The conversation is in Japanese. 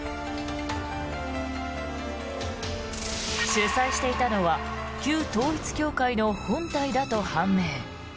主催していたのは旧統一教会の本体だと判明。